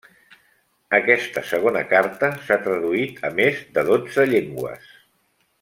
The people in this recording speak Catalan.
Aquesta segona carta s'ha traduït a més de dotze llengües.